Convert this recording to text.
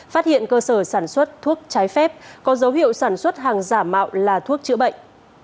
phát hiện cơ sở sản xuất thuốc trái phép có dấu hiệu sản xuất hàng giả mạo là thuốc chữa bệnh